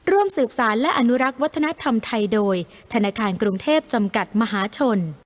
ร่วมสืบสารและอนุรักษ์วัฒนธรรมไทยโดยธนาคารกรุงเทพจำกัดมหาชน